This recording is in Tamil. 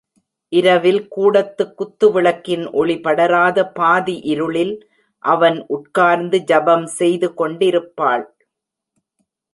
இரவில், கூடத்துக் குத்துவிளக்கின் ஒளிபடராத பாதி இருளில் அவன் உட்கார்ந்து ஜபம் செய்து கொண்டிருப்பாள்.